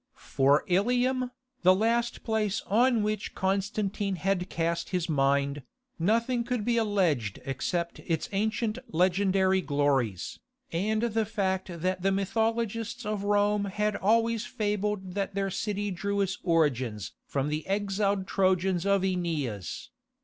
For Ilium, the last place on which Constantine had cast his mind, nothing could be alleged except its ancient legendary glories, and the fact that the mythologists of Rome had always fabled that their city drew its origin from the exiled Trojans of Æneas.